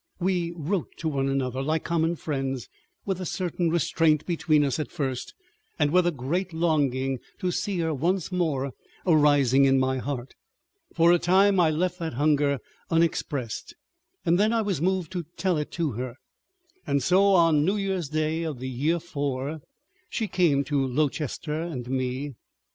We wrote to one another—like common friends with a certain restraint between us at first, and with a great longing to see her once more arising in my heart. For a time I left that hunger unexpressed, and then I was moved to tell it to her. And so on New Year's Day in the Year Four, she came to Lowchester and me.